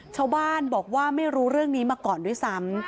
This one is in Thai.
ชาวบ้านบอกว่าไม่รู้เรื่องนี้มาก่อนด้วยซ้ำ